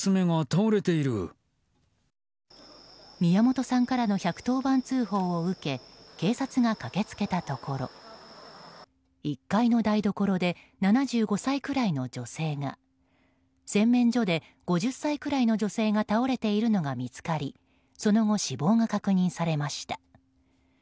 宮本さんからの１１０番通報を受け警察が駆け付けたところ１階の台所で７５歳くらいの女性が洗面所で５０歳くらいの女性が倒れているのが見つかりその後、死亡が確認されました。